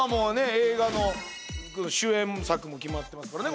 映画の主演作も決まってますからね